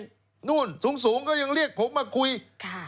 คือคนคนนี้มักจะเคยมีตำแหน่ง